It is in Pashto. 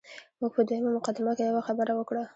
موږ په دویمه مقدمه کې یوه خبره وکړه.